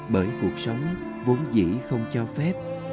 bởi cuộc sống vốn dĩ không cho phép